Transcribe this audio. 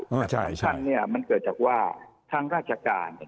แต่ประจำนี้มันเกิดจากว่าทางราชการ